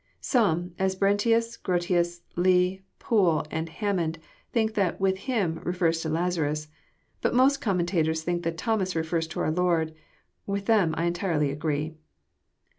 Some, as Brentius, Grotius, Leigh, Poole, and Hammond, think that '* with him," refers to Lazarus. But most commenta tors think that Thomas refers to our Lord ; with them I entirely agree.